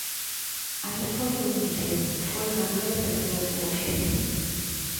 Aí foi o inicio, foi cando el aprendeu o oficio.